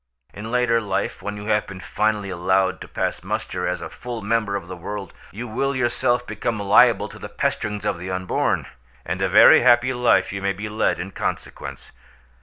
"In later life, when you have been finally allowed to pass muster as a full member of the world, you will yourself become liable to the pesterings of the unborn—and a very happy life you may be led in consequence!